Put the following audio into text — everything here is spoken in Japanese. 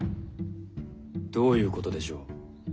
どういうことでしょう。